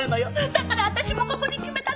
だから私もここに決めたの！